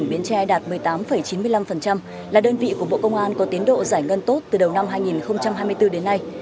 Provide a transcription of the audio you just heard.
bến tre đạt một mươi tám chín mươi năm là đơn vị của bộ công an có tiến độ giải ngân tốt từ đầu năm hai nghìn hai mươi bốn đến nay